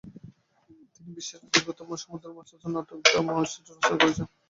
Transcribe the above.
তিনি বিশ্বের দীর্ঘতম সময় ধরে মঞ্চস্থ নাটক দ্য মাউসট্র্যাপ রচনা করেছেন।